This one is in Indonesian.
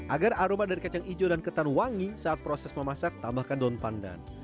agar aroma dari kacang hijau dan ketan wangi saat proses memasak tambahkan daun pandan